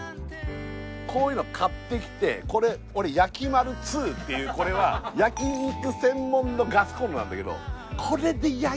こういうのを買ってきてやきまるⅡっていうこれは焼き肉専門のガスコンロなんだけど。